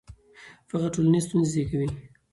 فقر ټولنیزې ستونزې زیږوي.